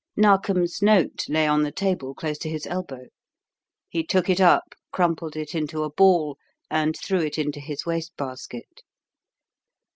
Narkom's note lay on the table close to his elbow. He took it up, crumpled it into a ball, and threw it into his waste basket.